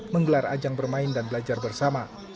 menggelar ajang bermain dan belajar bersama